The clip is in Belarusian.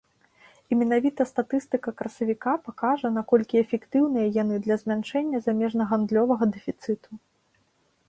І менавіта статыстыка красавіка пакажа, наколькі эфектыўныя яны для змяншэння замежнагандлёвага дэфіцыту.